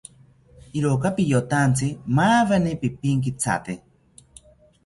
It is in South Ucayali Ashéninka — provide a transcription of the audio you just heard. Iroka piyotantzi, maweni pipinkithate